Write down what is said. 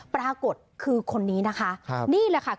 ปรากฏคือคนนี้นะคะ